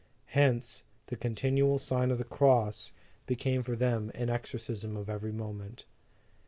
Hence, the continual Sign of the Cross became for them an exorcism of every moment.